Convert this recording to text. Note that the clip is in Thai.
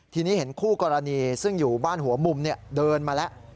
ทีนี้เห็นคู่กรณีซึ่งอยู่บ้านหัวมุมเดินมาแล้ว